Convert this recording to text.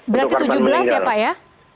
berarti tujuh belas ya pak ya